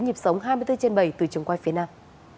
nhịp sống hai mươi bốn trên bảy từ trường quay phía nam